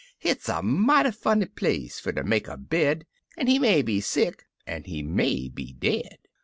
It's a mighty funny place fer ter make a bed. An' he may be sick, an' he may be dead!